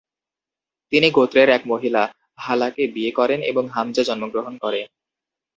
তিনি গোত্রের এক মহিলা, হালাকে বিয়ে করেন এবং হামজা জন্মগ্রহণ করে।